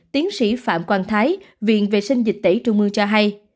tiến sĩ phạm quang thái viện vệ sinh dịch tễ trung mương cho hay